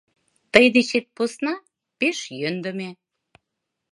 — Тый дечет посна пеш йӧндымӧ.